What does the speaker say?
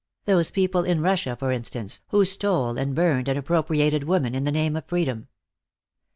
Those people in Russia, for instance, who stole and burned and appropriated women, in the name of freedom.